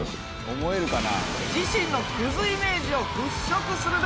思えるかな。